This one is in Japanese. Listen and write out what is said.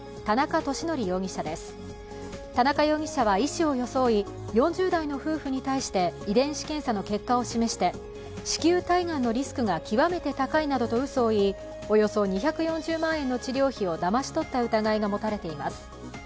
田中容疑者は医師を装い、４０代の夫婦に対して遺伝子検査の結果を示して子宮体がんのリスクが極めて高い井などとうそを言い、およそ２４０万円の治療費をだまし取った疑いが持たれています。